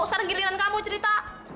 sekarang giliran kamu cerita